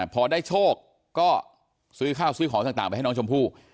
พอได้โชคก็ซื้อข้าวซื้อของต่างไปให้น้องชมพู่